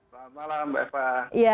saat malam mbak eva